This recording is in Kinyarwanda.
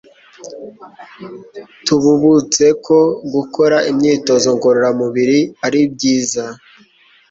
tububutse ko gukora imyitozo ngororamubirari ari byiza